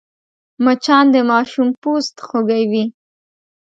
مچان د ماشوم پوست خوږوي